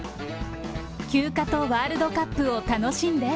休暇とワールドカップを楽しんで。